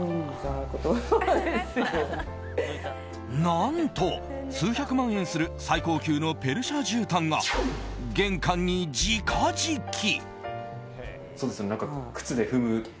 何と数百万円する最高級のペルシャじゅうたんが玄関に直敷き。